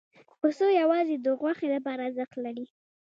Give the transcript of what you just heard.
پسه یوازې د غوښې لپاره ارزښت لري.